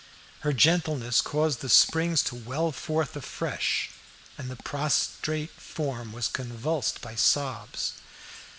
Her gentleness caused the springs to well forth afresh, and the prostrate form was convulsed by sobs.